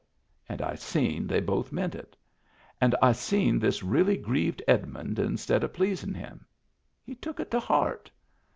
" And I seen they both meant it. And I seen this really grieved Edmund instead of pleasin' him. He took it to heart.